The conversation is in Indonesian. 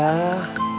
masuklah ke asap urutku